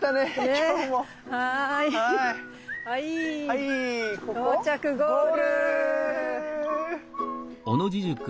はい到着ゴール。